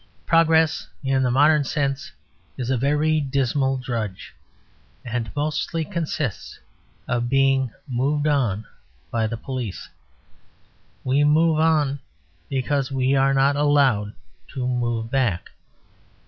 Progress in the modern sense is a very dismal drudge; and mostly consists of being moved on by the police. We move on because we are not allowed to move back.